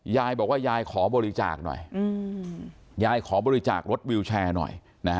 ยายบอกว่ายายขอบริจาคหน่อยยายขอบริจาครถวิวแชร์หน่อยนะฮะ